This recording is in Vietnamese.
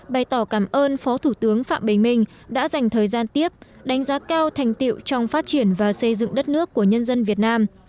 bày tỏ cảm ơn phó thủ tướng phạm bình minh đã dành thời gian tiếp đánh giá cao thành tiệu trong phát triển và xây dựng đất nước của nhân dân việt nam